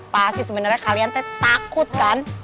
pasti sebenernya kalian teh takut kan